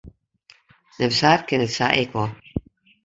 Neffens har kin it sa ek wol.